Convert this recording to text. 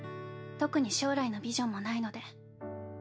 特に将来のビジョンもないので